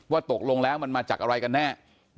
ตกลงแล้วมันมาจากอะไรกันแน่